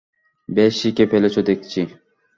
বেশ শিখে ফেলেছ দেখছি!